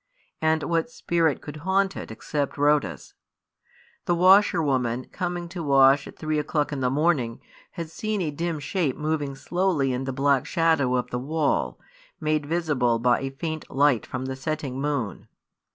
And what spirit could haunt it except Rhoda's? The washerwoman, coming to wash at three o'clock in the morning, had seen a dim shape moving slowly in the black shadow of the wall, made visible by a faint light from the setting moon.